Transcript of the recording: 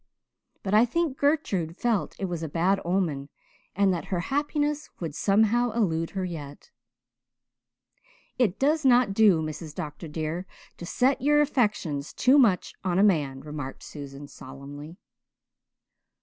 But I think Gertrude felt it was a bad omen and that her happiness would somehow elude her yet." "It does not do, Mrs. Dr. dear, to set your affections too much on a man," remarked Susan solemnly.